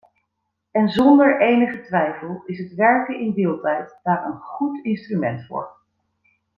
En zonder enige twijfel is het werken in deeltijd daar een goed instrument voor.